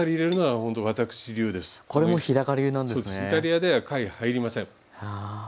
イタリアでは貝入りません。